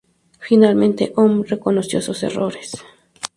Finalmente, Ohm reconoció sus errores.